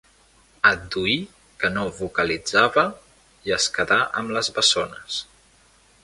Adduí que no vocalitzava i es quedà amb les bessones.